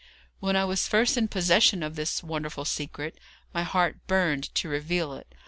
When I was first in possession of this wonderful secret, my heart burned to reveal it.